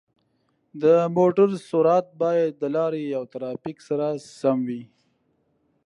د موټر سرعت باید د لارې او ترافیک سره سم وي.